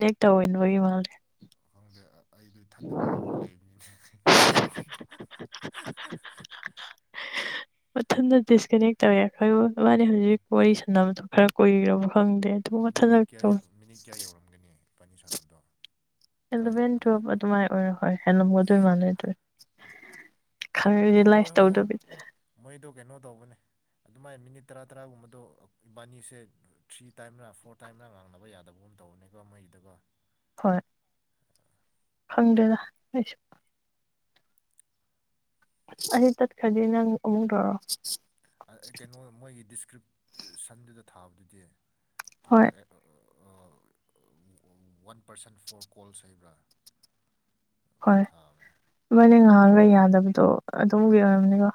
ꯍꯦꯛꯛꯇꯧ ꯑꯣꯏꯕꯒꯤ ꯃꯥꯜꯂꯦ ꯑꯩꯗꯣ ꯏ ꯊꯠꯗ ꯉꯥ ꯑꯃ ꯂꯩꯕꯅꯤꯅꯦ ꯃꯊꯟꯇ ꯗꯤꯁꯀꯅꯦꯛ ꯇꯧꯋꯦ ꯑꯩꯈꯣꯏꯕꯨ ꯃꯥꯕꯥꯅꯤ ꯍꯧꯖꯤꯛ ꯋꯥꯔꯤ ꯁꯥꯟꯅꯕꯗꯣ ꯈꯔ ꯀꯨꯏꯈ꯭ꯔꯕꯣ ꯃꯤꯅꯤꯠ ꯀꯌꯥ ꯃꯤꯅꯤꯠ ꯀꯌꯥ ꯌꯧꯔꯝꯒꯅꯤ ꯏꯄꯥꯅꯤ ꯁꯥꯟꯅꯕꯗꯣ ꯇꯔꯥ ꯑꯦꯂꯚꯦꯟ ꯌꯧꯔꯝꯒꯦꯔꯥ ꯇꯨꯋꯦꯜꯚ ꯑꯗꯨꯃꯥꯏ ꯑꯣꯏꯔꯣ ꯍꯣꯏ ꯍꯅ ꯑꯗꯨꯣꯏ ꯑꯠꯆꯥ ꯃꯥꯟꯅ ꯑꯗꯨꯣꯏ ꯑꯗꯣ ꯍꯣꯏ ꯍꯣꯏꯣꯏ ꯃꯣꯏꯗꯣ ꯀꯩꯅꯣ ꯇꯧꯕꯅꯦ ꯑꯗꯨꯃꯥꯏꯅ ꯃꯤꯅꯤꯠ ꯇꯔꯥ ꯇꯔꯥꯒꯨꯝꯕꯗꯣ ꯏꯕꯥꯅꯤꯁꯦ ꯊ꯭ꯔꯤ ꯇꯥꯏꯝꯔ ꯐꯣꯔ ꯇꯥꯏꯝꯔ ꯉꯥꯡꯅꯕ ꯌꯥꯗꯕꯒꯨꯝ ꯇꯧꯕꯅꯤꯀꯣ ꯃꯩꯗꯒ ꯍꯣꯏ ꯐꯪꯗꯦꯗꯁꯨ ꯑꯩ ꯇꯠꯈ꯭ꯔꯗꯤꯦ ꯅꯪ ꯑꯃꯨꯛ ꯇꯧꯔꯑꯣ ꯀꯩꯅꯣ ꯃꯣꯏꯒꯤ ꯗꯤꯁꯀ꯭ꯔꯤꯞꯁꯟꯗꯨꯗ ꯊꯥꯕꯗꯨꯗꯤ ꯀꯩꯅꯣ ꯍꯣꯏ ꯋꯥꯟ ꯄꯔꯁꯟ ꯐꯣꯔ ꯀꯣꯜꯁ ꯍꯕ꯭ꯔꯥ ꯍꯣꯏ ꯃꯗꯤ ꯉꯍꯥꯛꯒ ꯌꯥꯗꯕ ꯍꯥꯏꯗꯣ ꯑꯗꯨꯝꯒꯤ ꯑꯣꯏꯔꯝꯅꯤꯀꯣ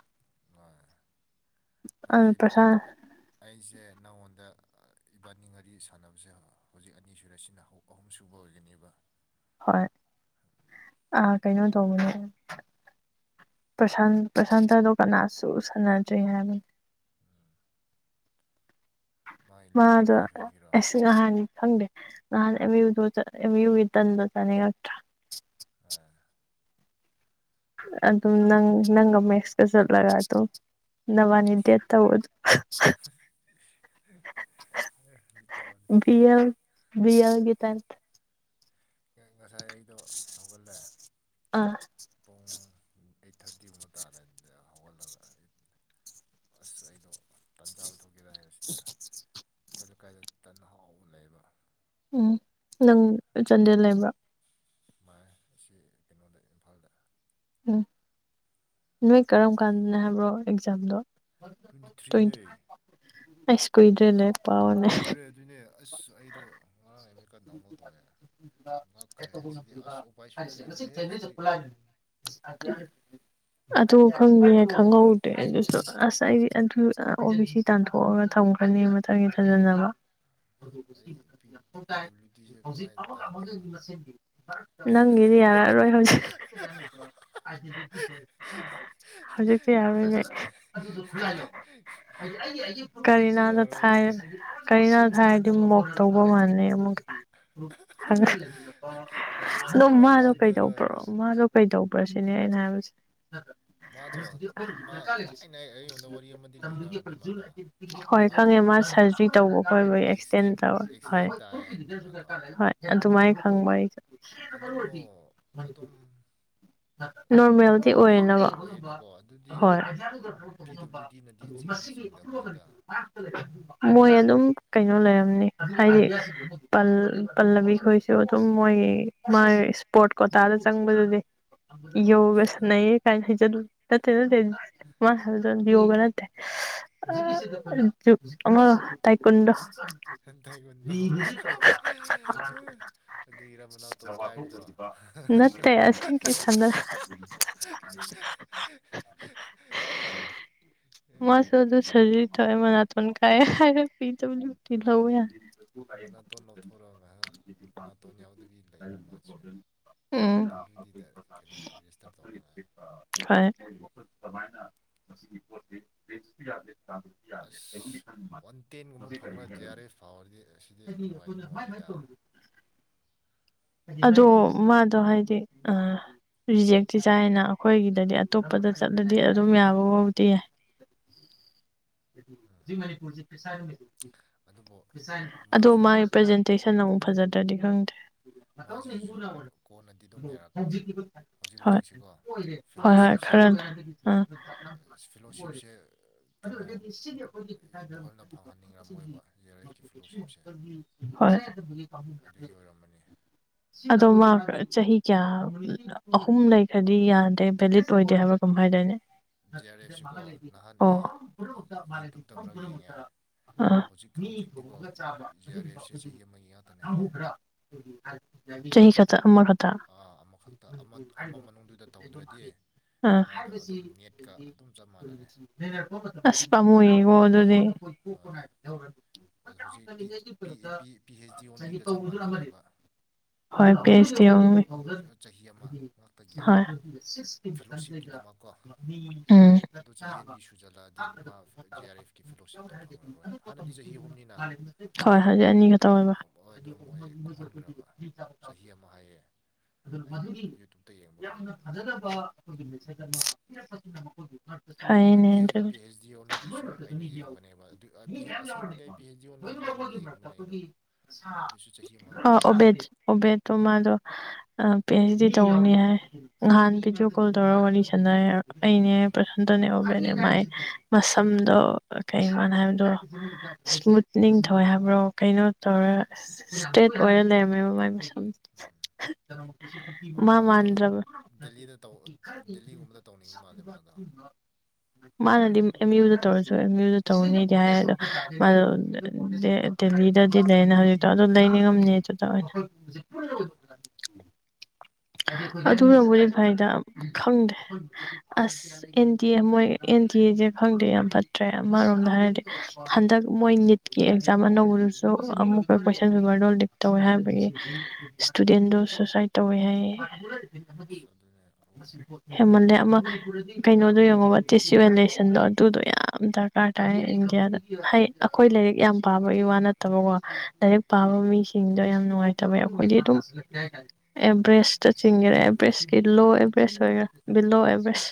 ꯑꯥ ꯑꯗꯨꯩ ꯄ꯭ꯔꯁꯥꯟ ꯑꯩꯁꯦ ꯅꯉꯣꯟꯗ ꯏꯕꯥꯅꯤ ꯉꯔꯤ ꯁꯥꯟꯅꯕꯁꯦ ꯍꯧꯖꯤꯛ ꯑꯅꯤ ꯁꯨꯔꯦꯁꯤꯅ ꯑꯍꯨꯝ ꯁꯨꯕ ꯑꯣꯏꯒꯅꯦꯕ ꯍꯣꯏ ꯀꯩꯅꯣ ꯇꯧꯕꯅꯦ ꯄ꯭ꯔꯁꯥꯟ ꯄ꯭ꯔꯁꯥꯟꯇꯗꯣ ꯀꯅꯥꯁꯨ ꯁꯥꯟꯅꯗ꯭ꯔꯦ ꯍꯥꯏꯕꯅꯦ ꯃꯥꯏ ꯂꯤꯃꯤꯠ ꯃꯥꯗꯣ ꯂꯣꯏꯈ꯭ꯔꯕꯒꯤꯔꯣ ꯑ ꯑꯩꯁꯨ ꯉꯍꯥꯟꯅꯤ ꯈꯪꯗꯦ ꯅ ꯏꯗꯨ ꯏ ꯏꯗ ꯆꯅꯤ꯭ꯔ ꯑꯗꯨ ꯑꯗꯨꯝ ꯅꯪ ꯅꯪꯒꯃꯦꯁ ꯀ ꯆꯠꯂꯒ ꯑꯗꯨ ꯅꯋꯥꯅꯤ ꯗꯦꯠ ꯇꯧꯕꯗꯨ ꯃꯤꯅꯤꯠ ꯀꯌꯥ ꯑꯣꯏ- ꯕꯤꯦꯝ ꯕꯤ ꯑꯒꯤꯦ ꯇꯦꯟ ꯎꯝ ꯉꯁꯥꯏ ꯑꯩꯗꯣ ꯍꯧꯒꯜꯂꯦ ꯑꯥ ꯄꯨꯡ ꯑꯩꯠ ꯊꯥꯔꯇꯤꯒꯨꯝꯕ ꯇꯥꯔꯦꯗ ꯍꯧꯒꯠꯂꯒ ꯑꯁ ꯑꯩꯗꯣ ꯇꯥꯟꯖꯥ [unintelligible] ꯑꯩꯈꯣꯏ ꯂꯩꯀꯥꯏꯗ ꯇꯟꯅ ꯍꯥꯎꯕ ꯂꯩꯕ ꯎꯝ ꯅꯪ ꯆꯥꯟꯗꯦꯜ ꯂꯩꯕ꯭ꯔꯥ ꯃꯥ ꯁꯤ ꯀꯩꯅꯣꯗ ꯏꯝꯐꯥꯜꯗ ꯎꯝ ꯅꯣꯏ ꯇꯟ ꯀꯔꯝ ꯀꯥꯟꯗꯅ ꯍꯥꯏꯕ꯭ꯔꯣ ꯆꯝꯗꯣ ꯇ꯭ꯋꯦꯟꯇꯤ ꯊ꯭ꯔꯤꯅꯦ ꯑꯁ ꯀꯨꯗ꯭ꯔꯦ ꯂꯩꯦ ꯀꯨꯏꯗ꯭ꯔꯦ ꯑꯗꯨꯏꯅꯦ ꯑꯁ ꯑꯩꯗꯣ ꯉꯔꯥꯡ ꯍꯥꯏꯕ ꯉ ꯁꯤꯗꯤ ꯑꯁ ꯎꯄꯥꯏ ꯁꯨꯡꯂꯩ ꯂꯩꯇ꯭ꯔꯦꯍꯦ ꯁꯤꯗꯤ ꯊꯅꯂꯑ ꯈꯟ ꯑꯗꯨ ꯈꯪꯗꯦ ꯈꯪꯍꯧꯗ꯭ꯔꯦ ꯑꯗꯨꯁꯨ ꯑꯁ ꯑꯩꯗꯤ ꯑꯗꯨ ꯑꯣ ꯕꯤ ꯁꯤ ꯇꯥꯟꯊꯣꯛꯑꯒ ꯊꯝꯈ꯭ꯔꯅꯤ ꯃꯊꯪꯒꯤ ꯊꯥꯖꯅꯕ ꯑꯩ ꯄꯤ ꯄꯤ ꯗꯕ꯭ꯂꯤꯎ ꯗꯤꯁꯦ ꯀꯃꯥꯏꯅ ꯇꯥꯟꯁꯤꯔ ꯈꯪꯗꯦ [inaudible] ꯅꯪꯒꯤꯗꯤ ꯌꯥꯔꯛꯑꯔꯣꯏ ꯍꯧꯖꯤꯛ ꯍꯧꯖꯤꯛꯇꯤ ꯌꯥꯔꯣꯏꯅꯦ ꯎ ꯍꯧꯖꯤꯛꯇꯤ ꯀꯔꯤꯅꯗ ꯌꯥꯔꯣꯏꯌꯦ ꯊꯥꯏ ꯀꯔꯤꯅꯗ ꯀꯃꯥꯏ ꯊꯥꯏꯗꯤ ꯃꯋꯣꯛ ꯇꯧꯕ ꯃꯥꯜꯂꯦ ꯃ ꯑꯃꯨꯛ ꯀꯔꯤꯅ ꯑꯗꯣ ꯀꯃꯥꯏꯅ ꯃꯥꯗꯣ ꯇꯥꯟꯗꯣꯏꯔꯣ ꯀꯩꯗꯧꯕ꯭ꯔꯣ ꯍꯥꯏꯕꯗ ꯃꯥꯗꯣ ꯀꯩꯗꯧꯕ꯭ꯔꯣ ꯁꯤꯅꯦꯅ ꯍꯧꯕꯁꯤ ꯃꯥꯗꯣ ꯃꯥ ꯊꯥꯏꯅ ꯑꯩ- ꯑꯩꯉꯣꯟꯗ ꯋꯥꯔꯤ ꯑꯃꯗꯤ ꯂꯤꯔꯛꯑꯕꯅꯦ ꯃꯥꯗꯣ ꯍꯣꯏ ꯈꯪꯉꯦ ꯃꯥ ꯁꯔꯖꯔꯤ ꯇꯧꯕ ꯈꯣꯠꯕ ꯑꯦꯛꯁꯇꯦꯟ ꯑꯦꯛꯁꯤꯗꯦꯟ ꯇꯧꯔ ꯍꯣꯏ ꯑꯦꯛꯁꯤꯗꯦꯟ ꯇꯥꯏ ꯍꯥꯏꯕꯅꯦ ꯃꯥꯗꯣ ꯍꯣꯏ ꯑꯗꯨꯃꯥꯏꯅ ꯍꯪꯕ ꯃꯔꯋꯥ ꯑꯗꯨꯕꯨ ꯃꯔ ꯑꯗꯨꯝ ꯅꯣꯔꯃꯦꯜꯗꯤ ꯑꯣꯏꯔꯦꯅꯕ ꯑꯣꯏꯌꯦꯅꯀꯣ ꯑꯗꯨꯗꯤ ꯍꯣꯏ ꯄꯤ ꯗꯕ꯭ꯂꯤꯎ ꯗꯤꯅꯗꯤ ꯆꯤꯡꯗꯤ ꯆꯤꯡꯗꯕꯅꯤꯗ ꯅ ꯃꯣꯏ ꯑꯗꯨꯝ ꯀꯩꯅꯣ ꯂꯩꯔꯝꯅꯤ ꯍꯥꯏꯗꯤ ꯄꯜꯂꯕꯤ ꯈꯣꯏꯁꯨ ꯑꯗꯨꯝ ꯃꯣꯏ ꯃꯥꯥꯏ ꯏꯁꯄꯣꯔꯠ ꯀꯣꯇꯥꯗ ꯆꯪꯕꯗꯨꯗꯤ ꯌꯣꯒꯁꯥꯅꯩ ꯀꯥꯏ ꯅꯠꯇꯦ ꯅꯠꯇꯦ ꯌꯣꯒ ꯅꯠꯇꯦ ꯇꯥꯏꯀꯨꯟꯗꯣ ꯊꯥꯏꯒꯨꯟꯗꯣ ꯑꯗꯒꯤꯔ ꯃꯅꯥꯎ ꯇꯣꯡ ꯀꯥꯏꯕꯗꯣ ꯅꯠꯇꯦ [unintelligible] ꯑꯦ ꯃꯅꯥꯇꯣꯟ ꯀꯥꯏ ꯍꯥꯏꯔ ꯄꯤ ꯗꯕ꯭ꯂꯤꯎ ꯇꯤ ꯂꯧꯋꯦ ꯍꯥꯏ ꯃꯅꯥꯇꯣꯟ ꯂꯧꯊꯣꯔꯒ ꯉꯥꯏꯍꯥꯛ ꯅꯥꯇꯣꯟ ꯌꯥꯎꯗꯕꯤ ꯂꯩꯕ ꯃꯥꯁꯨꯦ ꯄꯤ ꯎꯝ ꯗꯕ꯭ꯂꯤꯎ ꯗꯤꯗ ꯀꯩꯅꯣ ꯔꯦꯖꯤꯁꯇꯔ ꯇꯧꯅꯉ ꯑꯗꯨꯃꯥꯏꯅ ꯃꯁꯤꯒꯤ ꯄꯣꯠꯁꯤ ꯄꯖꯁꯨ ꯌꯥꯗꯦ ꯑꯁ ꯋꯥꯟ ꯇꯦꯟꯒꯨꯝꯕ ꯐꯪꯅꯗꯤ ꯌꯥꯔꯦ ꯐꯥꯎꯔꯗꯤ ꯑꯁꯤꯗꯤ ꯅꯨꯡꯉꯥꯏꯗꯤ ꯅꯨꯡꯉꯥꯏꯗ ꯑꯗꯣ ꯃꯥꯗꯣ ꯍꯥꯏꯗꯤ ꯑ ꯔꯤꯖꯦꯛꯇꯤ ꯆꯥꯏꯅ ꯑꯩꯈꯣꯏꯒꯤꯗꯗꯤ ꯑꯇꯣꯞꯄꯗ ꯆꯠꯂꯗꯤ ꯑꯗꯨꯝ ꯌꯥꯕ ꯐꯥꯎꯗꯤ ꯌꯥꯏ ꯑꯗꯨꯕꯨ ꯑꯗꯣ ꯃꯥꯁꯨ ꯃꯥꯒꯤ ꯄ꯭ꯔꯖꯦꯟꯇꯦꯁꯟ ꯑꯃꯨꯛ ꯐꯖꯗ꯭ꯔꯗꯤ ꯎꯝ ꯃꯥꯁꯤꯁꯨ ꯀꯣꯟꯅꯗꯤ ꯑꯗꯨꯝ ꯌꯥꯔꯛꯀꯅꯤ [unintelligible] ꯍꯧꯖꯤꯛ ꯍꯧꯖꯤꯛꯁꯤꯀꯣ ꯐꯤꯂꯣꯁꯤꯞꯁꯦ ꯈꯔ ꯑ ꯐꯤꯂꯣꯁꯤꯞꯁꯦ ꯕꯣꯍꯜꯅ ꯐꯪꯍꯟꯅꯤꯡꯉꯝꯃꯣꯏꯕ ꯖꯦ ꯑꯥꯔ ꯑꯦꯐꯀꯤ ꯐꯦꯂꯣꯁꯤꯞꯁꯦ ꯑꯗꯨꯒꯤ ꯑꯣꯏꯔꯝꯃꯅꯤ [unintelligible] ꯑꯗꯣ ꯃꯥ ꯆꯍꯤ ꯀꯌꯥ ꯑꯍꯨꯝ ꯂꯩꯈ꯭ꯔꯗꯤ ꯌꯥꯗꯦ ꯚꯦꯂꯤꯠ ꯑꯣꯏꯗꯦ ꯍꯥꯏꯕ ꯀꯃꯝꯥꯏ ꯍꯥꯏꯗꯣꯏꯅꯦ ꯖꯤ ꯑꯥꯔ ꯑꯦꯐꯁꯤꯀꯣ [unintelligible] ꯅꯍꯥꯟ ꯑꯩ ꯌꯨꯇ꯭ꯌꯨꯕꯇ ꯑꯃꯔꯛ ꯌꯦꯡꯉꯦ ꯍꯧꯖꯤꯛ ꯍꯧꯖꯤꯛꯇꯤꯀꯣ ꯖꯤ ꯑꯥꯔ ꯑꯦꯐꯁꯦ ꯆꯍꯤ ꯑꯃꯒꯤ ꯉꯥꯛꯇꯅꯦ ꯍꯥꯏꯌꯦ [unintelligible] ꯑꯃꯔ ꯍꯇꯥ [unintelligible] ꯑꯃꯈ ꯃꯅꯨꯡꯗꯨꯗ ꯇꯧꯗ꯭ꯔꯗꯤ ꯑꯥ ꯃꯥꯗꯣ ꯑꯗꯨꯝ ꯅꯦꯠꯀ ꯑꯗꯨꯝ ꯆꯞ ꯃꯥꯟꯅꯔꯦ ꯑꯁ ꯃꯥ ꯄꯥꯝꯃꯨꯌꯦꯀꯣ ꯍꯣꯏ ꯑꯗꯨꯗꯤ ꯍꯣꯏ ꯑꯗꯣ ꯍꯧꯖꯤꯛ ꯄꯤ ꯄꯤ ꯄꯤ ꯄꯤ ꯍꯩꯆ ꯗꯤ ꯑꯣꯟꯂꯤꯒ ꯆꯞ ꯃꯥꯟꯅꯔꯦꯕ ꯀꯩꯅꯣ ꯍꯣꯏ ꯆꯍꯤ ꯑꯃ ꯉꯥꯛꯇꯒꯤ ꯐꯦꯂꯣꯁꯤꯞꯀꯤꯗꯃꯛꯀꯣ ꯎꯝ ꯁꯨꯖꯂꯥꯗꯤꯟ ꯃꯥ ꯑꯥꯔ ꯑꯦꯐꯀꯤ ꯐꯦꯂꯣꯁꯤꯞꯇꯣ ꯐꯪꯂꯔꯣꯏ ꯍꯥꯟꯅꯗꯤ ꯆꯍꯤ ꯍꯣꯏ ꯍꯗꯤ ꯑꯅꯤꯒ ꯑꯗꯣ ꯃꯣ ꯇꯧꯃꯕ ꯍꯣꯏ ꯑꯗꯣ ꯃꯣꯏ ꯀꯨꯝꯍꯟꯈ꯭ꯔꯕ ꯆꯍꯤ ꯑꯃ ꯍꯥꯏꯌꯦ ꯑꯩꯅ ꯌꯨꯇ꯭ꯌꯨꯕꯇ ꯌꯦꯡꯕ ꯀꯥꯟꯗ ꯤꯔ ꯄꯁꯤꯅ ꯀ ꯑꯗꯣ ꯐꯅꯦꯅꯦ P H P H D ꯑꯣꯟꯂꯤꯗꯨꯁꯨ ꯑꯩꯅ ꯌꯦꯡꯕꯅꯦꯕ ꯑꯗꯨ ꯑ ꯄꯤ ꯍꯩ ꯑꯁꯦꯡꯕꯗꯤ ꯑꯩ ꯄꯤ ꯍꯩꯆ ꯗꯤ ꯑꯣꯟꯂꯤꯒꯤꯗꯃꯛ ꯌꯦꯡꯕꯅꯦ ꯑꯩꯗꯣ ꯑꯗꯨꯁꯨ ꯆꯍꯤ ꯑꯃꯈꯛꯇꯅꯦ ꯎꯕꯦ ꯎꯕꯦ ꯇꯣ ꯃꯥ ꯑꯗꯣ ꯄꯤ ꯑꯩꯆ ꯗꯤ ꯇꯧꯕꯅꯤ ꯍꯥꯏ ꯅꯍꯥꯟ ꯚꯤꯗꯤꯑꯣ ꯀꯣꯜ ꯇꯧꯔꯒ ꯋꯥꯔꯤ ꯁꯥꯟꯅꯔꯦ ꯑꯩꯅꯦ ꯑꯥ ꯄ꯭ꯔꯁꯟꯇꯅꯦ ꯑꯣꯕꯅꯦ ꯃꯥꯏ ꯃꯁꯝꯗꯣ ꯀꯩ ꯀꯅ ꯍꯥꯏꯕꯗꯣ ꯏꯁꯃꯨꯠꯅꯤꯡ ꯊꯣꯛꯧꯋꯦ ꯍꯥꯏꯕ꯭ꯔꯣ ꯀꯩꯅꯣ ꯇꯧꯔ ꯎꯝ ꯏꯁꯇ꯭ꯔꯦꯠ ꯑꯣꯏꯔ ꯂꯩꯔꯝꯃꯦꯕ ꯃꯥꯏ ꯃꯁꯝ ꯎꯝ ꯃꯥ ꯃꯥꯗꯣ ꯃꯥꯟꯗ꯭ꯔꯕ ꯗꯦꯜꯂꯤꯗ ꯇꯧ ꯗꯦꯜꯂꯤꯒꯨꯝꯕꯗ ꯇꯧꯅꯤꯡꯕ ꯃꯥꯜꯂꯦ ꯃꯥꯗꯣ ꯃꯥꯅꯗꯤ ꯑꯦꯝ ꯌꯨꯗ ꯇꯧꯔꯁꯨ ꯑꯦꯝ ꯌꯨꯗ ꯇꯧꯔꯅꯤꯗꯤ ꯍꯥꯏꯔ ꯑꯥ ꯑꯗꯣ ꯃꯥꯗꯣ ꯑꯥ ꯗꯦꯜꯂꯤꯗꯗꯤ ꯂꯩꯅ ꯍꯧꯖꯤꯛꯇꯣ ꯑꯗꯨ ꯂꯩꯅꯤ ꯉꯝꯅꯤ ꯑꯥ ꯑꯗꯨ ꯇꯑꯣꯏ ꯑꯣꯏꯅ ꯑꯥ ꯑꯗꯨꯅꯕꯨꯗꯤꯐꯥꯏꯗ ꯈꯪꯗꯦ ꯑꯁ ꯑꯦꯟ ꯗꯤ ꯑꯦ ꯃꯣꯏ ꯑꯦꯟ ꯗꯤ ꯑꯦꯁꯦ ꯈꯪꯗꯦ ꯌꯥꯝ ꯐꯠꯇ꯭ꯔꯦ ꯑꯃꯔꯣꯝꯗ ꯍꯥꯏꯔꯗꯤ ꯍꯟꯗꯛ ꯃꯣꯏ ꯅꯤꯠꯀꯤ ꯑꯦꯛꯖꯥꯝ ꯑꯅꯧꯕꯗꯨꯁꯨ ꯑꯃꯨꯛꯀ ꯀꯣꯏꯁꯟ ꯎꯝ ꯄꯦꯄꯔꯗꯣ ꯂꯤꯞ ꯇꯧꯋꯦ ꯍꯥꯏꯕꯒꯤ ꯏꯁꯇꯨꯗꯦꯟꯗꯣ ꯁꯨꯁꯥꯏꯠ ꯇꯧꯋꯦ ꯍꯥꯏꯌꯦ ꯑꯁ ꯑꯗꯨꯅꯦ ꯑꯔꯣ [unintelligible] ꯍꯦꯃꯟꯂꯦ ꯑꯃ ꯀꯩꯅꯣꯗꯣ ꯌꯦꯡꯉꯣꯕ ꯇꯤꯁꯂꯦꯁꯟꯗꯣ ꯑꯗꯨꯗꯣ ꯌꯥꯝ ꯗꯔꯀꯥꯔ ꯇꯥꯏ ꯏꯟꯗꯤꯌꯥꯗ ꯍ ꯑꯩꯈꯣꯏ ꯂꯥꯏꯔꯤꯛ ꯌꯥꯝ ꯄꯥꯕꯒꯤ ꯋꯥ ꯅꯠꯇꯕꯀꯣ ꯂꯥꯏꯔꯤꯛ ꯑꯥ ꯄꯥꯕ ꯃꯤꯁꯤꯡꯗꯣ ꯌꯥꯝ ꯅꯨꯡꯉꯥꯏꯇꯕ ꯑꯩꯈꯣꯏꯗꯤ ꯑꯗꯨꯝ ꯑꯦꯚꯔꯦꯁ ꯆꯠꯆꯤꯡꯒꯦꯔꯥ ꯑꯦꯚꯔꯦꯁꯀꯤ ꯂꯣ ꯑꯦꯚꯔꯦꯁ ꯑꯣꯏꯒꯦꯔꯥ ꯕꯤꯂꯣ ꯑꯦꯚꯔꯦꯁ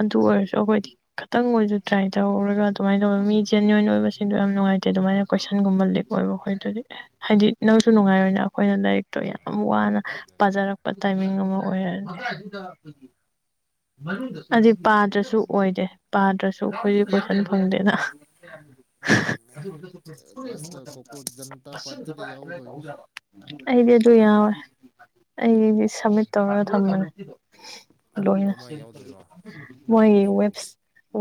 ꯑꯗꯨ ꯑꯣꯏꯔꯁꯨ ꯑꯩꯈꯣꯏꯗꯤ ꯈꯤꯇꯪ ꯑꯣꯏꯁꯨ ꯇ꯭ꯔꯥꯏ ꯇꯧꯔꯒ ꯑꯗꯨꯃꯥꯏꯅ ꯇꯧꯕ ꯃꯤ ꯖꯦꯅꯋꯟ ꯑꯣꯏꯕꯁꯤꯡꯗꯣ ꯌꯥꯝ ꯅꯨꯡꯉꯥꯏꯇꯦ ꯑꯗꯨꯃꯥꯏꯅ ꯀꯣꯏꯁꯟꯒꯨꯝꯕ ꯂꯤꯛ ꯑꯣꯏꯕ ꯑꯩꯈꯣꯏꯗꯨꯗꯤ ꯑꯦ ꯍꯥꯏꯗꯤ ꯅꯪꯁꯨ ꯅꯨꯡꯉꯥꯏꯔꯣꯏꯅꯦ ꯑꯩꯈꯣꯏꯅ ꯂꯥꯏꯔꯤꯛꯇꯣ ꯌꯥꯝ ꯋꯥꯅ ꯑꯗꯨꯅꯦ ꯑꯗꯨꯅꯦ ꯄꯥꯖꯔꯛꯄ ꯇꯥꯏꯃꯤꯡ ꯑꯃꯨ ꯑꯣꯏꯔ ꯑꯗꯨꯗꯤ ꯄꯥꯗ꯭ꯔꯁꯨ ꯑꯣꯏꯗꯦ ꯄꯥꯗ꯭ꯔꯁꯨ ꯑꯩꯈꯣꯏꯗꯤ ꯀꯣꯏꯁꯟ ꯐꯪꯗꯦꯅ꯫ ꯂꯥꯁꯇ ꯀꯣꯀ꯭ꯔꯣꯆ ꯖꯅꯇꯥ ꯄꯥꯔꯇꯤꯗ ꯌꯥꯎꯗꯣꯏꯅꯤ [unintelligible] ꯑꯩꯗꯤ ꯑꯗꯨ ꯌꯥꯎꯋꯦ꯫ ꯑꯩꯗꯤ ꯁꯝꯃꯤꯠ ꯇꯧꯔ ꯊꯝꯕꯅꯦ꯫ ꯂꯣꯏꯅ ꯀꯃꯥꯏ ꯌꯥꯎꯗꯣꯏꯔꯣ ꯃꯣꯏꯒꯤ ꯑꯩꯁꯨ ꯌꯥꯎ ꯋꯦꯕꯁ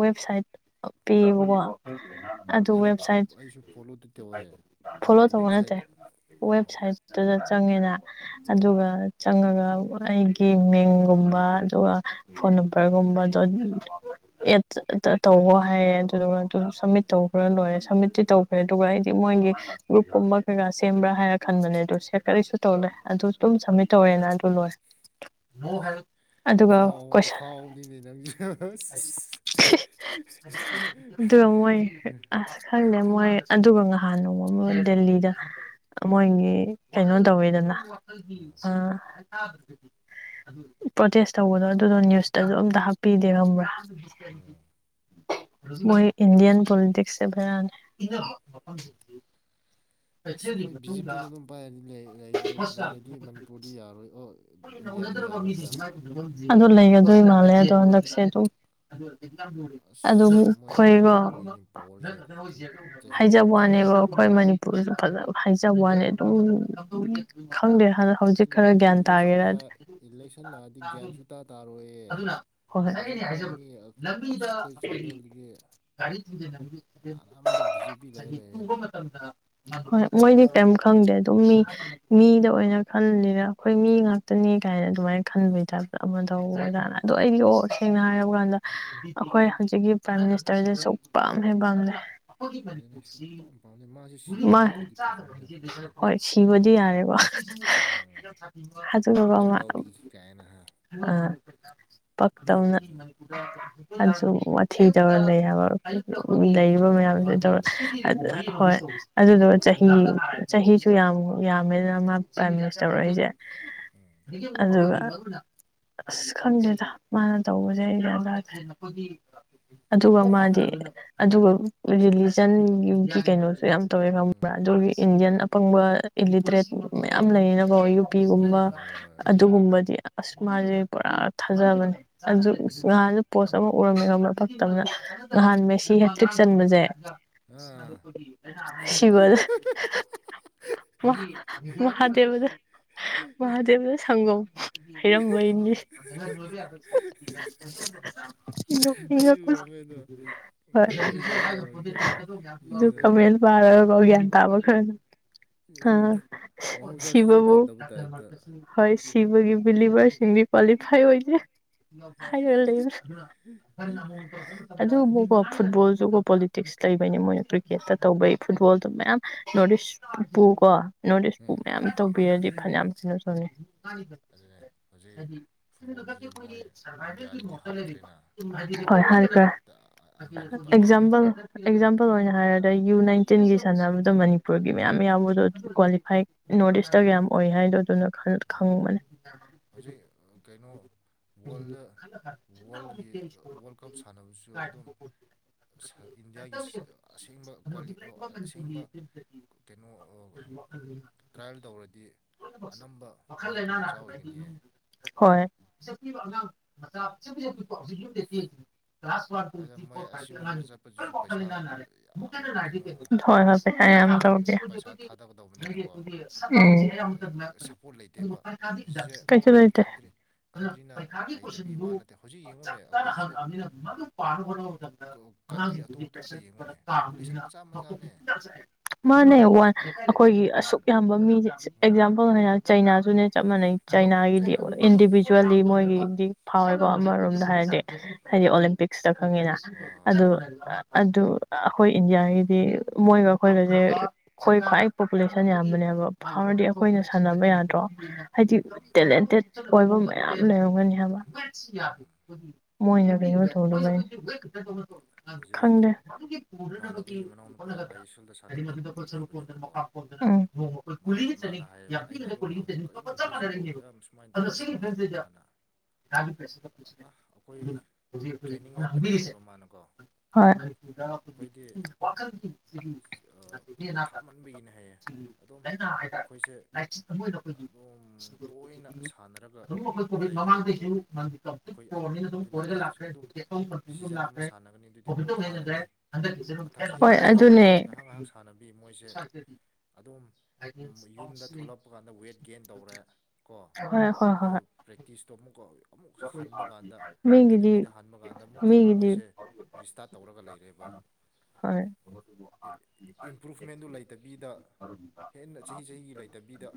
ꯋꯦꯕꯁꯥꯏꯠ꯫ ꯑꯥ ꯄꯤꯌꯦꯕꯀꯣ꯫ ꯑꯗꯨ ꯑꯩꯗꯤ ꯋꯦꯕꯁꯥꯏꯠ ꯑꯩꯁꯨ ꯐꯣꯂꯣꯗꯤ ꯇꯧꯋꯦ ꯑꯗꯣ ꯐꯣꯂꯣ ꯇꯧꯕ ꯅꯠꯇꯦ ꯋꯦꯕꯁꯥꯏꯠ ꯑꯣ ꯋꯦꯕꯁꯥꯏꯠꯇꯨꯗ ꯆꯪ ꯆꯪꯉꯦꯅ꯫ ꯎꯝ ꯑꯗꯨꯒ ꯆꯪꯉꯒ ꯑꯩꯒꯤ ꯃꯤꯡꯒꯨꯝꯕ ꯑꯗꯨꯒ ꯐꯣꯟ ꯅꯝꯕꯔꯒꯨꯝꯕꯗꯣ ꯑꯦꯗ ꯇꯧ ꯇꯧꯋꯣ ꯍꯥꯏꯔꯦ ꯑꯗꯨꯗꯨꯒ ꯑꯗꯨ ꯁꯝꯃꯤꯠ ꯇꯧꯈ꯭ꯔ ꯂꯣꯏꯔꯦ ꯁꯝꯃꯤꯠꯇꯠꯇꯤ ꯇꯧꯈ꯭ꯔꯦ ꯑꯗꯨꯒ ꯑꯩꯗꯤ ꯃꯣꯏꯒꯤ ꯒ꯭ꯔꯨꯞꯀꯨꯝꯕ ꯀꯩꯀꯥ ꯁꯦꯝꯕ꯭ꯔꯥ ꯍꯥꯏꯔ ꯈꯟꯕꯅꯦ ꯑꯗꯨ ꯁꯦ ꯀꯔꯤꯁꯨ ꯇꯧꯔꯦ ꯑꯗꯨ꯫ ꯑꯗꯨꯝ ꯁꯃꯤꯠ ꯇꯧꯔꯦꯅ ꯑꯗꯨ ꯂꯣꯏꯔꯦ꯫ ꯑꯗꯨꯒ ꯑꯐꯥꯎ ꯀꯣꯏꯁꯟ ꯑꯐꯥꯎꯕꯅꯤꯅꯦ ꯅꯪꯁꯦ꯫ ꯑꯗꯨꯒ ꯃꯣꯏ ꯑꯁ ꯈꯪꯗꯦ ꯃꯣꯏ ꯑꯗꯨꯒ ꯉꯥꯍꯥꯛ ꯍꯥꯟꯅ ꯅꯣꯡꯃ ꯑꯃ ꯗꯦꯜꯂꯤꯗ ꯃꯣꯏꯒꯤ ꯀꯩꯅꯣ ꯇꯧꯋꯦꯗꯅ꯫ ꯑꯥ꯫ ꯄ꯭ꯔꯣꯇꯦꯁ ꯇꯧꯕꯗꯣ ꯑꯗꯨꯗꯣ ꯅ꯭ꯌꯨꯁꯇꯁꯨ ꯑꯝꯇ ꯍꯥꯞꯄꯤ ꯗꯦ ꯈꯪꯕ꯭ꯔ꯫ ꯎꯝ [unintelligible] ꯃꯣꯏ ꯏꯟꯗꯤꯌꯟ ꯄꯣꯂꯤꯇꯤꯛꯁꯁꯦ ꯕꯦꯔꯥꯅꯤ꯫ ꯑꯁ ꯑꯩꯈꯣꯏ ꯕꯤ_ꯖꯦ_ꯄꯤ ꯅ ꯑꯗꯨꯝ ꯄꯥꯏꯔꯗꯤꯅꯦ ꯂꯩ ꯂꯩꯔꯗꯤ ꯃꯅꯤꯄꯨꯔꯗꯤ ꯌꯥꯔꯣꯏ ꯑꯣ ꯏꯟꯗꯤꯌꯥꯗꯤ ꯌꯥꯔꯔꯣꯏꯗ꯫ ꯑꯗꯨ ꯂꯩꯒꯗꯣꯏ ꯃꯥꯜꯂꯦ ꯑꯗꯣ ꯍꯟꯗꯛꯁꯦ ꯑꯗꯨꯝ꯫ ꯑꯗꯨꯝ ꯑꯁ ꯃꯣꯏꯁꯦ ꯈꯣꯏꯀꯣ ꯀꯨꯏꯗꯤ ꯀꯨꯏꯅꯤ ꯄꯋꯥꯔꯁꯦ ꯆꯍꯤ ꯍꯥꯏꯖꯕ ꯇꯔꯥ ꯋꯥꯅꯦꯕꯣ ꯑꯩꯈꯣꯏ ꯃꯅꯤ ꯁꯨ ꯐꯖꯕ ꯍꯥꯏꯖꯕ ꯋꯥꯅꯤ ꯑꯗꯨꯝ ꯈꯥ ꯏꯦꯛꯁꯟꯅ ꯏꯂꯦꯛꯁꯟꯅꯗꯤ ꯒ꯭ꯌꯥꯟ ꯁ ꯇꯥ ꯇꯥꯔꯣꯏ ꯑꯗꯨꯅ ꯍꯣꯏ ꯍꯣꯏ ꯑꯩꯩꯅ ꯍꯥꯏꯖꯕꯗ ꯑ- ꯑꯁ ꯂꯝꯕꯤꯗ ꯑꯩꯈꯣꯏ ꯑꯩꯈꯣꯏꯒꯤ ꯆꯥꯟꯗꯦꯜꯗꯒꯤ ꯒꯥꯔꯤ ꯊꯤꯗ ꯂꯝꯕꯤꯗ ꯑꯦꯛꯁꯤꯗꯦꯟ ꯑꯅꯝꯕ ꯕꯤ ꯖꯦ ꯄꯤ ꯂꯩꯔ ꯉꯁꯥꯏꯒꯤ ꯇꯨꯕ ꯂꯩꯔꯦꯕ ꯃꯇꯝꯗ꯫ ꯍꯣꯏ ꯃꯣꯏꯗꯤ ꯀꯦꯝ ꯈꯪꯗꯦ ꯑꯗꯨꯝ ꯃꯤ ꯃꯤꯗ ꯑꯣꯏꯅ ꯈꯜꯂꯤꯔ ꯑꯩꯈꯣꯏ ꯃꯤ ꯉꯥꯛꯇꯅꯤ ꯀꯥꯏꯅ ꯑꯗꯨꯃꯥꯏꯅ ꯈꯟꯕꯩ ꯇꯥꯏꯞꯇ ꯑꯃ ꯇꯧꯏ ꯑꯗꯨꯅ ꯑꯗꯣ ꯑꯩꯒꯤ ꯑꯣ ꯁꯦꯡꯅ ꯍꯥꯏꯔꯕ ꯀꯥꯟꯗ ꯑꯩꯈꯣꯏ ꯍꯧꯖꯤꯛꯀꯤ ꯄ꯭ꯔꯥꯏꯝ ꯃꯤꯅꯤꯁꯇꯔꯁꯦ ꯁꯨꯝꯄꯥꯝ ꯍꯦꯛ ꯄꯥꯝꯗꯦ꯫ ꯑꯗꯨꯅ ꯁꯨꯛꯄꯥꯝ ꯄꯥꯝꯗꯦ ꯃꯥꯁꯦ ꯃꯥ ꯁꯤꯈ꯭ꯔꯗꯤ ꯐꯗꯤ ꯐꯗꯤꯅꯤꯗ ꯈꯔꯗꯤ ꯍꯣꯏ ꯁꯤꯕꯗꯤ ꯌꯥꯔꯦꯀꯣ ꯎꯝ ꯑꯗꯨꯗꯨꯒ ꯃꯥ ꯃꯦꯂꯣꯗꯤ ꯀꯥꯏꯅ ꯍꯥ ꯑꯥ꯫ ꯄꯛ ꯇꯧꯅ꯫ ꯐꯨꯜꯗ ꯑꯗꯨꯁꯨ ꯋꯥꯊꯤ ꯇꯧꯔ ꯂꯩ ꯍꯥꯏꯕ꯫ ꯂꯩꯔꯤꯕ ꯃꯦꯂꯣꯗꯤꯗ ꯃꯌꯥꯝꯁꯦ ꯉꯥꯎꯔꯒ ꯇꯧꯔ ꯂꯩꯕ ꯁꯥꯏ ꯑꯗꯨ ꯃꯥꯗꯣ ꯍꯣꯏ ꯑꯗꯨꯗꯨꯒ꯫ ꯆꯍꯤ ꯆꯍꯤꯁꯨ ꯌꯥꯝ ꯌꯥꯝꯃꯦꯗꯅ ꯃꯥ ꯄ꯭ꯔꯥꯏꯝ ꯃꯤꯅꯤꯁꯇꯔ ꯑꯣꯏꯔꯛ ꯏꯁꯦ ꯑꯗꯨꯒ꯫ ꯑꯁ ꯈꯪꯗꯦꯗ ꯃꯥꯅ ꯇꯧꯕꯁꯦ ꯑꯩ ꯒ꯭ꯌꯥꯟ ꯇꯥꯗꯦ ꯑꯗꯨꯒ ꯃꯥꯗꯤ ꯑꯗꯨꯒ ꯔꯤꯂꯤꯖꯟꯒꯤ ꯀꯩꯅꯣꯁꯨ ꯌꯥꯝ꯫ ꯇꯧꯋꯦ ꯎꯝ ꯈꯪꯕ꯭ꯔꯥ ꯑꯗꯨꯒꯤ ꯎꯝ ꯏꯟꯗꯤꯌꯥꯟ ꯑꯄꯪꯕ꯫ ꯏꯜꯂꯤꯇ꯭ꯔꯦꯠ ꯃꯌꯥꯝ ꯂꯩꯌꯦꯅ꯫ ꯍꯣꯏ ꯍꯣꯏ ꯌꯨꯄꯤꯒꯨꯝꯕ ꯍꯣꯏ ꯍꯣꯏ ꯑꯗꯨ ꯒꯨꯝꯕꯗꯤ ꯑꯁ ꯃꯥꯁꯦ ꯄꯨꯔꯥ ꯎꯝ ꯊꯥꯖꯕꯅꯦ ꯑꯗꯨ ꯑꯗꯨꯅꯦ ꯉꯍꯥꯟꯁꯨ ꯄꯣꯁ ꯑꯃ ꯎꯔꯝꯃꯦ ꯃꯥ ꯐꯛꯇꯕꯅ ꯉꯍꯥꯟ ꯃꯦꯁꯤ ꯍꯦꯇꯔꯤꯛ ꯆꯟꯕꯁꯦ ꯑꯥ ꯁꯤꯕꯗ ꯋꯥ ꯃꯍꯥꯗꯦꯕꯗ ꯃꯍꯥꯗꯦꯕꯗ ꯁꯪꯒꯣꯝ ꯍꯩꯔꯝꯕꯩꯅꯤ [unintelligible] ꯅꯣꯛꯅꯤꯡꯉꯛꯄꯁꯤ ꯑꯩꯁꯨ ꯎꯔꯝꯃꯦ ꯑꯗꯣ ꯍꯣꯏ ꯅꯣꯛꯅꯤꯡꯉꯣꯏꯁꯤꯒꯤ ꯇꯧꯔꯅꯤ ꯀꯩꯅꯣ ꯗꯨꯒ ꯀꯃꯦꯟ ꯄꯥꯔꯒ ꯒꯌꯥꯟ [unintelligible] ꯑ ꯃꯍꯧꯁꯥ ꯁꯨꯆꯟ ꯁꯤꯕꯕꯨ ꯆꯟꯗꯕ ꯇꯥꯏꯞꯇ ꯍꯣꯏ ꯊꯤꯕꯒꯤ ꯕꯤꯂꯤꯕꯥꯁꯤꯡꯗꯤ ꯀ꯭ꯋꯥꯂꯤꯐꯥꯏ ꯑꯣꯏꯗꯦ ꯍꯥꯏꯔ ꯂꯩ ꯑꯗꯨꯕꯨꯀꯣ ꯐꯨꯠꯕꯣꯜꯁꯨꯀꯣ ꯄꯣꯂꯤꯇꯤꯛꯁ ꯂꯩꯕꯩꯅꯤ ꯃꯣꯏꯅ ꯀ꯭ꯔꯤꯛꯀꯦꯠꯇ ꯇꯧꯕꯩ ꯐꯨꯠꯕꯣꯜꯗꯣ ꯃꯌꯥꯝ ꯅꯣꯔꯠ ꯏꯁꯄꯨ ꯀꯣ ꯅꯣꯔꯠ ꯏꯁꯄꯨ ꯎꯝ ꯃꯌꯥꯝ ꯇꯧꯕꯤꯔꯗꯤ ꯐꯅꯌꯥꯝ [unintelligible] [unintelligible] ꯆꯍꯤ ꯑꯗꯨꯅꯦ ꯍꯧꯖꯤꯛ ꯐꯨꯠꯕꯣꯜꯁꯤ ꯍꯣꯏ ꯃꯣꯏ ꯏꯟꯗꯤꯌꯥꯗꯗꯤ ꯍꯥꯠꯈ꯭ꯔꯦꯅ ꯃꯣꯏ ꯍꯥꯏ ꯐꯔꯦ ꯑꯝꯕꯥꯅꯤ ꯄꯥꯔꯇꯤꯅ ꯑꯦꯛꯖꯥꯝꯄꯜ ꯑꯦꯛꯖꯥꯝꯄꯜ ꯑꯣꯏꯅ ꯍꯥꯏꯔꯒ ꯑꯗ ꯌꯨ ꯅꯥꯏꯟꯇꯤꯟꯒꯤ ꯁꯥꯟꯅꯕꯗꯣ ꯃꯅꯤꯄꯨꯔꯒꯤ ꯃꯌꯥꯝ ꯌꯥꯎꯕꯗꯣ ꯀ꯭ꯋꯥꯂꯤꯐꯥꯏ ꯅꯣꯔꯠ ꯏꯁꯇꯒ ꯌꯥꯝ ꯑꯣꯏ ꯍꯥꯏꯗꯣ ꯑꯗꯨꯅ ꯈꯪꯕꯅꯦ ꯍꯧꯖꯤꯛ ꯑ ꯀꯩꯅꯣ ꯋꯥꯔꯜꯗ ꯋꯥꯔꯜꯒꯤ ꯋꯥꯔꯜ ꯀꯞ ꯁꯥꯟꯅꯕꯁꯨ ꯑꯗꯨꯝ ꯏꯟꯗꯤꯌꯥꯒꯤ ꯑꯁꯦꯡꯕ ꯀ꯭ꯋꯩꯂꯤ ꯑꯁꯦꯡꯕ ꯀꯩꯅꯣ ꯇ꯭ꯔꯥꯏꯌꯦꯜ ꯇꯧꯔꯗꯤ ꯑꯅꯝꯕ ꯃꯅꯤꯄꯨꯔ ꯃꯆꯥ ꯑꯣꯏ ꯍꯣꯏ ꯄꯤꯁꯛ ꯄꯤꯛꯏꯕ ꯑꯉꯥꯡ ꯃꯆꯥ ꯄꯤꯁꯛ ꯄꯤꯁꯛ ꯄꯤꯛꯄ ꯍꯧꯖꯤꯛ ꯌꯨꯝꯗ [unintelligible] ꯀꯂꯥꯁ ꯋꯥꯟ ꯇꯨ ꯑꯗꯨꯅ ꯊꯔꯤ ꯃꯣꯏ ꯐꯣꯔ ꯐꯥꯏꯞ ꯀꯤ ꯑꯁꯤꯒꯨꯝꯕ ꯑꯉꯥꯡꯐꯥꯎꯗ ꯂꯣꯏꯅ ꯆꯠꯄꯁꯤꯁꯨ ꯋꯥꯈꯜ ꯄꯩꯁꯥ ꯂꯩꯅꯥ ꯅꯥꯔꯦ ꯍꯣꯏ ꯌꯥꯝ ꯀꯩꯅꯣ ꯍꯣꯏ ꯊꯥꯗ ꯄꯩꯁꯥ ꯊꯥꯗꯒꯗꯧꯕꯅꯤꯅꯀꯣ ꯁꯞꯄꯣꯔꯠ ꯂꯩꯇꯦꯕ [unintelligible] ꯎꯝ ꯑꯁꯤꯁꯦ ꯀꯩꯁꯨ ꯑꯩꯈꯣꯏ ꯂꯩꯇꯦ ꯀꯟꯇ꯭ꯔꯤ ꯑꯗꯨꯅ ꯀꯟꯇ꯭ꯔꯤꯅ ꯄꯔꯤꯈꯥꯒꯤ ꯍꯩꯇꯕꯤ ꯀꯣꯏꯁꯟꯗꯨ ꯋꯥ ꯅꯠꯇꯦ ꯍꯧꯖꯤꯛ ꯆꯞ ꯌꯦꯡꯉꯨꯅꯦ ꯆꯥꯅ ꯑꯩꯈꯣꯏꯁꯨ ꯍꯪꯉꯛꯑꯕꯅꯤꯅ ꯃꯗꯨ ꯄꯥ ꯀꯟꯇ꯭ꯔꯤ ꯑꯇꯣꯞ ꯑꯇꯣꯞꯄ ꯌꯦꯡꯉꯨꯅꯦ ꯄꯣꯄꯨꯂꯦꯁꯟ ꯃꯆꯥ ꯃꯆꯥꯅꯦ ꯃꯥꯅꯦ ꯑꯣ ꯑꯩꯈꯣꯏꯒꯤ ꯑꯁꯨꯛ ꯌꯥꯝꯕ ꯃꯤꯁꯦ ꯎꯝ ꯑꯦꯛꯖꯥꯝꯄꯜꯅ ꯆꯩꯅꯥꯁꯨꯅꯦ ꯆꯠ ꯃꯅ ꯆꯩꯅꯥ ꯆꯥꯏꯅꯥꯒꯗ ꯏꯟꯗꯤ ꯍꯣꯏ ꯍꯣꯏ ꯃꯣꯏꯒꯤꯗꯤ ꯐꯥꯎꯋꯦꯀꯣ ꯑꯃꯔꯣꯝꯗ ꯍꯥꯏꯔꯗꯤ ꯍꯥꯏꯗꯤ ꯑꯣꯂꯦꯝꯄꯤꯛꯁꯇ ꯈꯪꯉꯤꯅ ꯍꯣꯏ ꯑꯗꯨ ꯍꯣꯏ ꯑꯗꯨ ꯑꯩꯈꯣꯏ ꯏꯟꯗꯤꯌꯥꯒꯤꯗꯤ ꯃꯣꯏꯒ ꯑꯩꯈꯣꯏꯒꯁꯦ ꯑꯩꯈꯣꯏ ꯈ꯭ꯋꯥꯏ ꯄꯣꯄꯨꯂꯦꯁꯟ ꯌꯥꯝꯕꯅꯦꯕ ꯐꯥꯎꯔꯗꯤ ꯑꯩꯈꯣꯏꯅ ꯁꯥꯟꯅꯕ ꯌꯥꯗ꯭ꯔꯣ ꯍꯥꯏꯗꯤ ꯇꯦꯂꯦꯟꯇꯦꯠ ꯑꯣꯏꯕ ꯃ ꯂꯩꯔꯝꯒꯅꯤ ꯍꯥꯏꯕ ꯃꯣꯏꯅ ꯀꯔꯤꯣ ꯊꯣꯡꯅꯕꯅꯤ ꯍꯧꯖꯤꯛ ꯒꯤ ꯄꯨꯅꯅꯕꯒꯤ ꯏꯃꯥꯟꯅꯕꯒꯤ ꯃꯅꯥꯎꯅꯨꯄꯥ ꯍꯣꯠꯅꯒꯗ꯭ꯔꯥ ꯑꯥꯏ ꯑꯦꯁ ꯑꯦꯜꯗ ꯍꯥꯏꯗꯤ ꯁꯥꯟꯅꯕ ꯃꯗꯨꯗ ꯑꯩꯈꯣꯏ ꯁꯔꯨꯛ ꯀꯣꯟꯗꯅ ꯂꯩꯕꯅꯦꯕꯀꯣ ꯃꯄꯥꯛ ꯀꯣꯟꯗꯅ ꯅꯣꯡꯃ ꯑꯩꯈꯣꯏ ꯃꯥ ꯀꯨꯂꯤꯒꯤ ꯃꯥꯅ ꯆꯅꯤꯡ ꯍꯥꯏꯌꯦꯕ ꯌꯥꯝ ꯑꯩꯅ ꯄꯤꯉꯒ ꯑꯗꯨꯝ ꯀꯨꯂꯤꯒꯤ ꯍꯪꯕ ꯀꯩꯅꯣ ꯆꯅꯤꯡꯒ ꯆꯞ ꯑꯩꯈꯣꯏꯁꯤꯕꯨ ꯃꯥꯟꯅꯔꯤꯅꯦꯕ ꯌꯥꯝ ꯁꯨꯃꯥꯏꯅ ꯑꯗꯣ ꯁꯤ ꯇꯧꯕꯁꯤꯕꯨ ꯍꯥꯏꯔꯒ ꯒꯤ ꯃꯥꯅ ꯄꯁ ꯑꯩꯈꯣꯏ ꯑꯗꯨ ꯍꯧꯖꯤꯛ ꯍꯧꯖꯤꯛ ꯇ꯭ꯔꯦꯅꯤꯡ ꯑꯩꯅ ꯋꯥꯠꯄꯅꯦ ꯍꯪꯕꯤꯔꯤꯁꯦ ꯍꯥꯏꯌꯦꯕ ꯃꯥꯅꯀꯣ ꯑꯩꯈꯣꯏꯗꯤ ꯄꯣꯊꯥꯃꯟꯕꯒꯤꯅꯦ ꯍꯥꯏꯌꯦ ꯑꯗꯨꯝ ꯑꯩꯈꯣꯏꯁꯦ ꯑꯗꯨꯝ ꯇꯣꯏꯅ ꯁꯥꯟꯅꯔꯒ ꯑꯗꯨꯝ ꯑꯩꯈꯣꯏ ꯀꯣꯚꯤꯠ ꯂꯩꯒꯗꯧꯕꯗꯨ ꯃꯃꯥꯡꯗꯩꯁꯨ ꯅꯗꯤꯝꯇ ꯑꯩꯈꯣꯏ ꯀꯔꯅꯤꯅ ꯑꯗꯨꯝ ꯑꯗꯨ ꯅꯠꯇꯦ ꯀꯣꯏꯔꯒ ꯂꯥꯛꯈ꯭ꯔꯦ ꯑꯗꯨꯝ ꯇꯤꯀꯦꯠ ꯑꯃ ꯑꯗꯨꯝ ꯁꯤꯖꯟ ꯑꯃ ꯂꯥꯛꯈ꯭ꯔꯦ ꯁꯥꯟꯅꯒꯅꯤ ꯑꯗꯨꯗꯤ ꯄꯣꯊꯥꯔꯅꯤ ꯃꯊꯪ ꯍꯣꯏ ꯆꯍꯤ ꯆꯍꯤ ꯑꯗꯨꯅꯦ ꯑꯃꯗ ꯉꯥꯏꯍꯥꯛ ꯉꯥꯏꯍꯥꯛ ꯁꯥꯟꯅꯕꯤ ꯃꯣꯏꯁꯦ ꯑꯗꯨꯝ ꯌꯨꯝꯗ ꯊꯣꯛꯂꯛꯄ ꯀꯥꯟꯗ ꯋꯦꯠ ꯒꯦꯟ ꯇꯧꯔꯦ ꯀꯣ ꯍꯣꯏ ꯍꯣꯏ ꯍꯣꯏ ꯑꯗꯨ ꯄ꯭ꯔꯦꯛꯇꯤꯁꯇꯣ ꯑꯃꯨꯛ ꯀꯧꯋ ꯑꯃꯨꯛ ꯍꯟꯕ ꯍꯣꯏ ꯀꯥꯟꯗ ꯃꯤꯒꯤꯗꯤ ꯑꯦꯀꯥꯗꯃꯤꯗ ꯍꯟꯕ ꯀꯥꯟꯗ ꯑꯃꯨꯛꯀ ꯃꯤꯒꯤꯗꯤ ꯃꯣꯏꯁꯦ ꯔꯤꯁꯇꯥꯔꯠ ꯇꯧꯔꯒ ꯂꯩꯔꯦꯕ ꯍꯣꯏ ꯏꯝꯄ꯭ꯔꯨꯚꯃꯦꯟꯗꯨ ꯂꯩꯇꯕꯤꯗ ꯍꯦꯟꯅ ꯆꯍꯤ ꯆꯍꯤꯒꯤ ꯂꯩꯇꯕꯤꯗ